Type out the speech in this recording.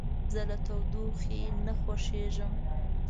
زه له تودوخې نه خوښیږم.